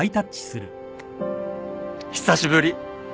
久しぶり。